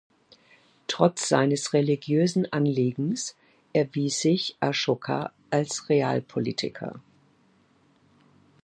Trotz seines religiösen Anliegens erwies sich Ashoka als Realpolitiker.